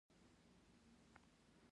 چاه اب سرو زرو کان لري؟